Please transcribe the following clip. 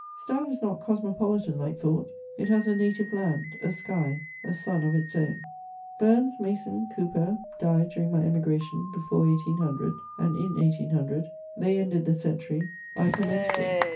Style is not cosmopolitan like thought: it has a native land, a sky, a sun of its own. Burns, Mason, Cowper died during my emigration, before 1800 and in 1800: they ended the century; I commenced it.